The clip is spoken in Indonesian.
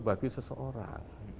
itu bagi seseorang